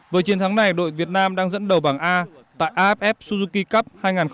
với chiến thắng này đội việt nam đang dẫn đầu bảng a tại aff suzuki cup hai nghìn hai mươi